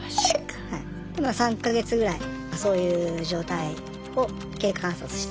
３か月ぐらいそういう状態を経過観察して。